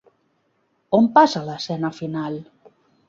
On passa l'escena final?